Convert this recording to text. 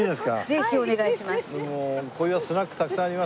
ぜひお願いします。